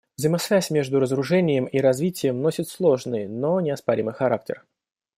Взаимосвязь между разоружением и развитием носит сложный, но неоспоримый характер.